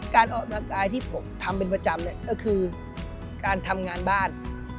การออกกำลังกายที่ผมทำเป็นประจำเนี่ยก็คือการทำงานบ้าน